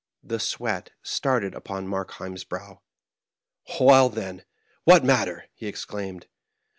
The sweat started upon Markheim's brow. "Well, then, what matter ?" he exclaimed.